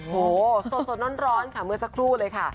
โหสดร้อนค่ะเมื่อสักครู่เลยค่ะ